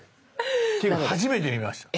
っていうか初めて見ました。